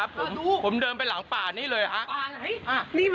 ผมเดินไปหลังป่านี่เลยครับ